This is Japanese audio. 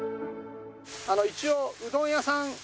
一応うどん屋さん。